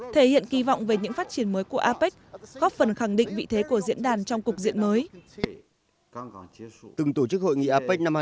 thể hiện kỳ vọng về những phát triển mới của apec góp phần khẳng định vị thế của diễn đàn trong cục diện mới